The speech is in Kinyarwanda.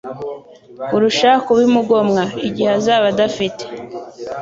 kurusha kubimugomwa. Igihe azaba adafite